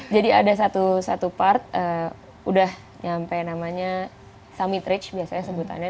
jadi ada satu part udah nyampe namanya summit ridge biasanya disebutannya